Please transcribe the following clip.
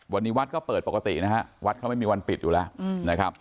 วันนี้วัดก็เปิดปกตินะฮะวัดเขาไม่มีวันปิดอยู่แล้วนะครับ